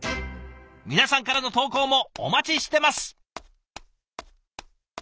皆さんからの投稿もお待ちしてます！